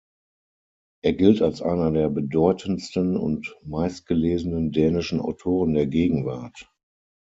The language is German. Er gilt als einer der bedeutendsten und meistgelesenen dänischen Autoren der Gegenwart.